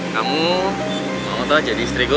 kamu mau tahu jadi istriku